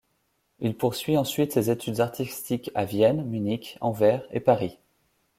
Il poursuit ensuite ses études artistiques à Vienne, Munich, Anvers et Paris.